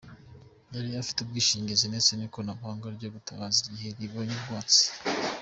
Yari ifite ubwishingizi ndetse n’ikoranabuhanga ryo gutabaza igihe ribonye umwotsi.